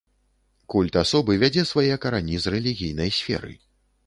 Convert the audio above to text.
Культ асобы вядзе свае карані з рэлігійнай сферы.